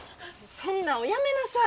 そんなおやめなさい。